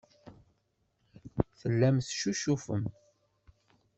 Tellam teccucufem.